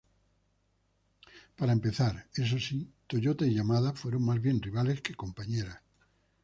Para empezar, eso si, Toyota and Yamada fueron más bien rivales que compañeras.